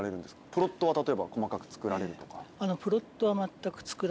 プロットは例えば細かく作られるとか。